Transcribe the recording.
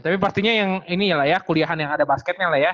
tapi pastinya yang ini lah ya kuliahan yang ada basketnya lah ya